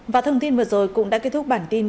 và thông tin vừa rồi cũng đã kết thúc bản tin